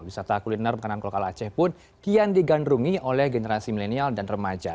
wisata kuliner makanan lokal aceh pun kian digandrungi oleh generasi milenial dan remaja